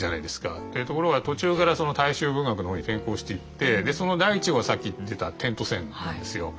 ところが途中から大衆文学の方に転向していってその第１号がさっき言ってた「点と線」なんですよ。